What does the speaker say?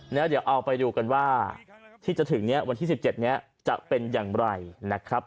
เดี๋ยวเอาไปดูกันว่าที่จะถึงนี้วันที่๑๗นี้จะเป็นอย่างไรนะครับ